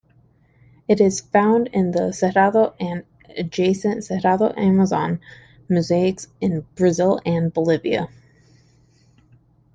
It is found in the Cerrado and adjacent Cerrado-Amazon mosaics in Brazil and Bolivia.